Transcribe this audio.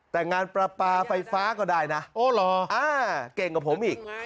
แต่งานปลาปลาไฟฟ้าก็ได้นะโอ้หรออ่าเก่งกว่าผมอีก